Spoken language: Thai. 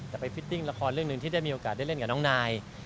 แต่ไปอีกละครหนึ่งที่ได้มีโอกาสได้เล่นกับน้องนาย